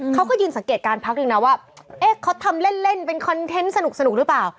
เขาก็ยืนสังเกตการณ์พักหนึ่งนะว่าเอ๊ะเขาทำเล่นเป็นคอนเทนต์สนุกหรือเปล่า